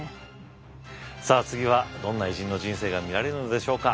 さあ次はどんな偉人の人生が見られるのでしょうか。